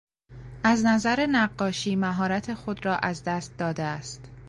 از نظر نقاشی مهارت خود را از دست داده است.